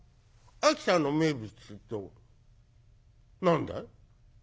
秋田の名物っつうと何だい？」。